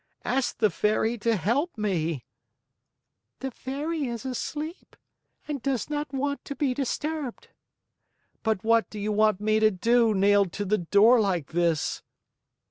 "Ask the Fairy to help me!" "The Fairy is asleep and does not want to be disturbed." "But what do you want me to do, nailed to the door like this?"